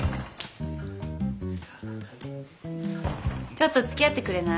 ちょっと付き合ってくれない？